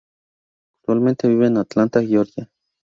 Actualmente vive en Atlanta, Georgia.